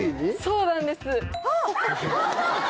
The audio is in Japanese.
そうなんです。